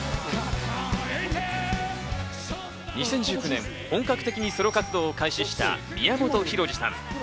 ２０１９年、本格的にソロ活動を開始した宮本浩次さん。